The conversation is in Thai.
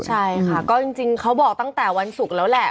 ใช่ค่ะก็จริงเขาบอกตั้งแต่วันศุกร์แล้วแหละ